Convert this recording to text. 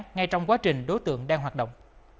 ngay trong quá trình đối tượng đang hoạt động